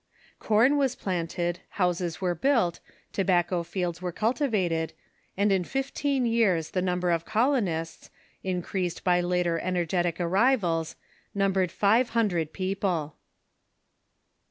Corn Avas planted, houses were built, tobacco fields THE ENGLISH COLONIZATION" 443 were cultivated, and in fifteen years the number of colonists, increased by later energetic arrivals, numbered five thousand people.